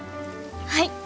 はい！